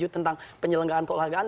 tentang penyelenggaraan keolahragaan